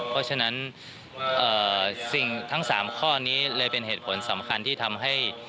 เพราะฉะนั้นสิ่งทั้ง๓ข้อนี้เลยเป็นเหตุผลสำคัญที่ทำให้